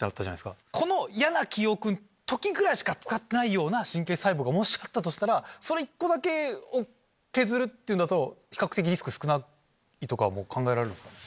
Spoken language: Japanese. この嫌な記憶の時ぐらいしか使ってないような神経細胞がもしあったとしたらそれ１個だけを削るのだと比較的リスク少ないとかも考えられるんですか？